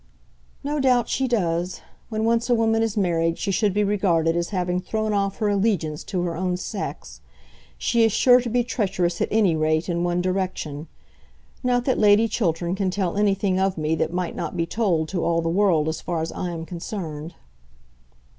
"No doubt she does. When once a woman is married she should be regarded as having thrown off her allegiance to her own sex. She is sure to be treacherous at any rate in one direction. Not that Lady Chiltern can tell anything of me that might not be told to all the world as far as I am concerned."